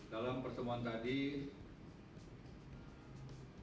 dalam pertemuan tadi